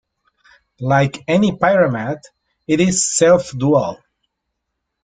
Like any pyramid, it is self-dual.